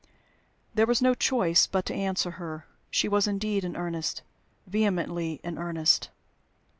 There was no choice but to answer her. She was indeed in earnest vehemently in earnest.